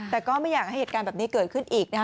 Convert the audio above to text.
แต่ก็ไม่อยากให้เหตุการณ์แบบนี้เกิดขึ้นอีกนะคะ